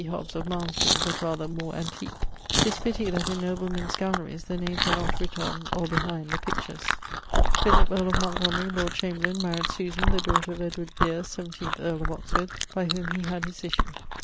Hobbes of Malmesbury, but rather more antique. 'Tis pitty that in noblemen's galleries, the names are not writt on, or behind, the pictures. [LXXXIX.] Philip, earl of Montgomery, Lord Chamberleyn, maried the daughter of earle of Oxford, by whom he had his issue.